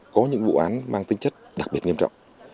có những vụ án mang tính chất đặc biệt nghiêm trọng